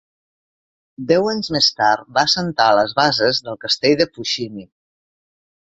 Deu anys més tard, va assentar les bases del Castell de Fushimi.